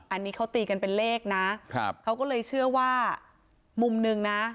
อันนี้เขาตีกันเป็นเลขนะครับเขาก็เลยเชื่อว่ามุมหนึ่งนะ